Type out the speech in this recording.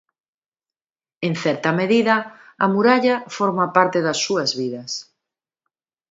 En certa medida, a muralla forma parte das súas vidas.